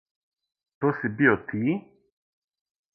То си био ти?